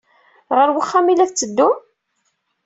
Ɣer uxxam ay la tetteddum?